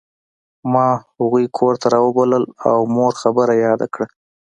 ما هغوی کور ته راوبلل او مور خبره یاده کړه